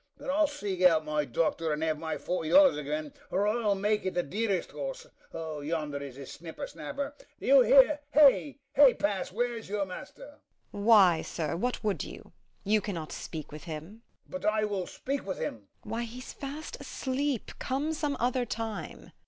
But I'll seek out my doctor, and have my forty dollars again, or I'll make it the dearest horse! O, yonder is his snipper snapper. Do you hear? you, hey pass, where's your master? MEPHIST. Why, sir, what would you? you cannot speak with him. HORSE COURSER. But I will speak with him. MEPHIST. Why, he's fast asleep: come some other time.